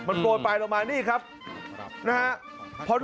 มันโปรยไปลงมานี่ครับนะฮะ